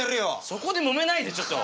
そこでもめないでちょっと。